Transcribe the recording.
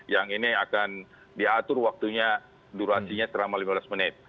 yang ini akan diatur waktunya durasinya selama lima belas menit